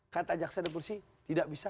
kata jaksa dan polisi tidak bisa